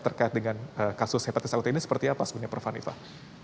terkait dengan kasus hepatitis akut ini seperti apa sebenarnya prof hanifah